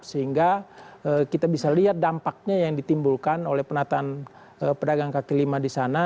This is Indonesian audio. sehingga kita bisa lihat dampaknya yang ditimbulkan oleh penataan pedagang kaki lima di sana